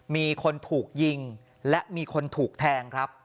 มีคนถูกยิงและมีคนถูกแทงครับ